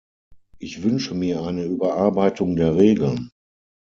Ich wünsche mir eine Überarbeitung der Regeln.